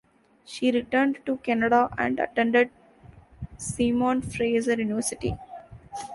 She returned to Canada and attended Simon Fraser University.